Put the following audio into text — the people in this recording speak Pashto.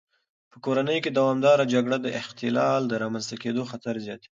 په کورنۍ کې دوامداره جګړه د اختلال د رامنځته کېدو خطر زیاتوي.